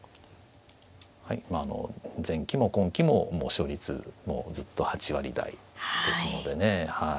まああの前期も今期ももう勝率もずっと８割台ですのでねはい。